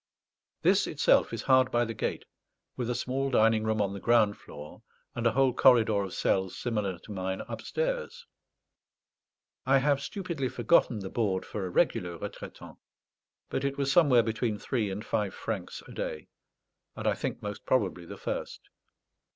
This itself is hard by the gate, with a small dining room on the ground floor and a whole corridor of cells similar to mine upstairs. I have stupidly forgotten the board for a regular retraitant; but it was somewhere between three and five francs a day, and I think most probably the first.